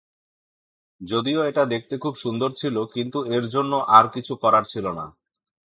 যদিও এটা দেখতে খুব সুন্দর ছিল কিন্তু এর জন্য আর কিছু করার ছিল না।